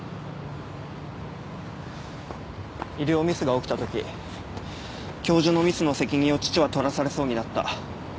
医療ミスが起きたとき教授のミスの責任を父は取らされそうになった。